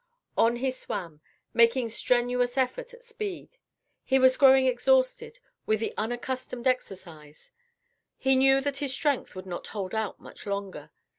On he swam, making strenuous effort at speed. He was growing exhausted with the unaccustomed exercise; he knew that his strength would not hold out much longer.